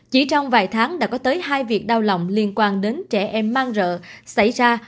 chỉ trong vài tháng đã có tới hai việc đau lòng liên quan đến trẻ em mang rợ xảy ra